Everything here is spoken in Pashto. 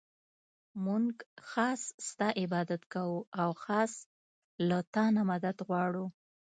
مونږ خاص ستا عبادت كوو او خاص له تا نه مدد غواړو.